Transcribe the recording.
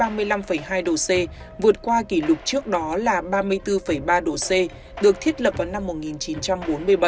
nền nhiệt hôm chín tháng năm đã đạt đỉnh ba mươi bốn ba độ c vượt qua kỷ lục trước đó là ba mươi bốn ba độ c được thiết lập vào năm một nghìn chín trăm bốn mươi bảy